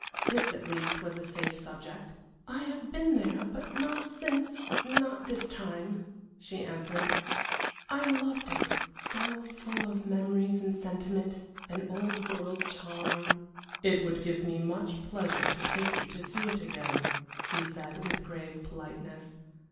This, at least, was a safe subject. "I have been there but not since not this time," she answered. "I loved it: so full of memories and sentiment, and Old World charm." "It would give me much pleasure to take you to see it again," he said, with grave politeness.